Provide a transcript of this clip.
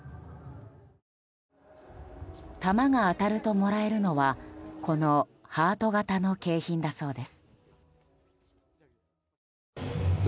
弾が当たるともらえるのはこのハート形の景品だそうです。